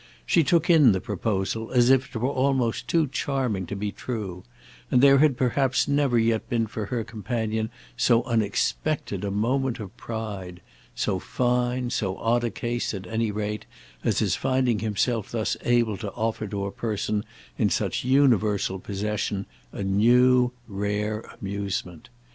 She took in the proposal as if it were almost too charming to be true; and there had perhaps never yet been for her companion so unexpected a moment of pride—so fine, so odd a case, at any rate, as his finding himself thus able to offer to a person in such universal possession a new, a rare amusement.